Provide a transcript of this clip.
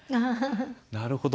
なるほど。